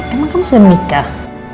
emang kamu sudah menikah